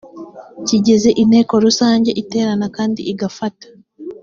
kigeze inteko rusange iterana kandi igafata